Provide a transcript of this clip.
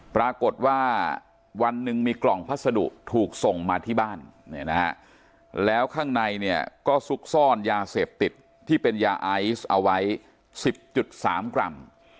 ปรากฏว่าวันหนึ่งมีกล่องพัสดุถูกส่งมาที่บ้านแล้วข้างในเนี่ยก็ซุกซ่อนยาเสพติดที่เป็นยาไอซ์เอาไว้๑๐๓กรัม